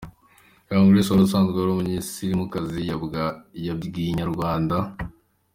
Young Grace wari usanzwe ari umusilamukazi yabwiye Inyarwanda.